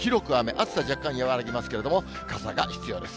暑さ若干和らぎますけれども、傘が必要です。